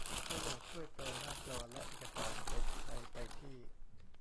ถ้าอยากช่วยแปลหน้าจอและเอกสารเป็นไทย ไปที่